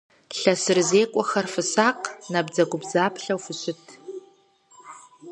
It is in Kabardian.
ЛъэсырызекӀуэхэр фысакъ, набдзэгубдзаплъэу фыщыт!